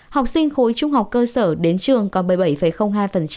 học sinh khối trung học cơ sở đến trường còn bảy mươi bảy hai